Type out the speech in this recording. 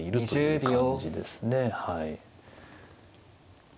そうですねはい。